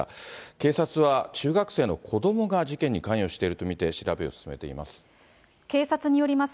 警察は、中学生の子どもが事件に関与していると見て調べを進めています。